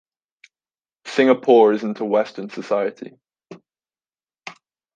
Singapore isn't a Western society.